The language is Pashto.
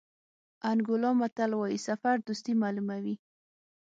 انګولا متل وایي سفر دوستي معلوموي.